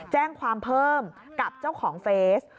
แจ้งความเพิ่มกับเจ้าของเฟส